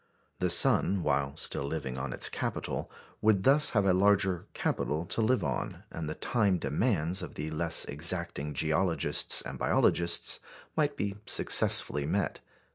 The sun, while still living on its capital, would thus have a larger capital to live on, and the time demands of the less exacting geologists and biologists might be successfully met.